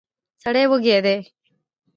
سړی وږی دی.